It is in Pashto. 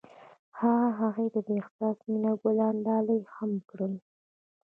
هغه هغې ته د حساس مینه ګلان ډالۍ هم کړل.